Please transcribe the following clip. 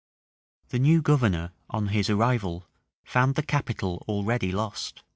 The new governor, on his arrival, found the capital already lost.